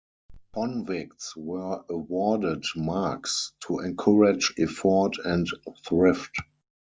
Convicts were awarded 'marks' to encourage effort and thrift.